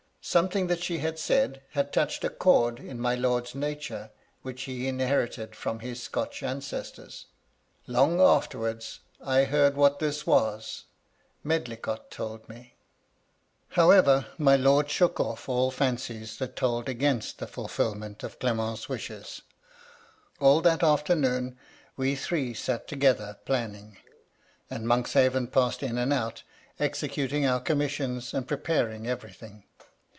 Something that she had said had touched a chord in my lord's nature which he inherited from his Scotch ancestors. Long afterwards, I heard what this was. Medlicott told me. " However, my lord shook off all fancies that told against the fulfilment of Clement's wishes. All that after noon we three sat together, planning ; and Monkshaven passed in and out, executing our commissions, and preparing everything.